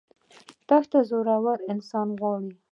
دښته زړور انسان غواړي.